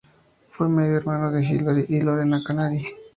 Fue medio hermano de Hilary y Lorena Canary.